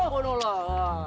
kau bunuh lu ah